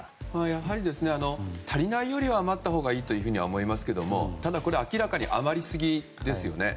やはり、足りないより余ったほうがいいと思いますけどただこれ明らかに余りすぎですよね。